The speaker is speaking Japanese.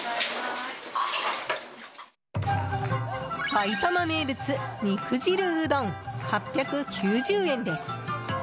さいたま名物肉汁うどん、８９０円です。